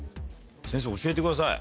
先生教えてください。